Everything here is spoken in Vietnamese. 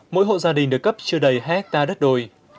mỗi hộ gia đình được cấp chưa đầy hai hectare đất đồi